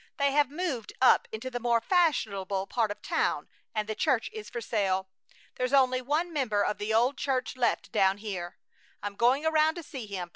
They have moved up into the more fashionable part of town, and the church is for sale. There's only one member of the old church left down here. I'm going around to see him.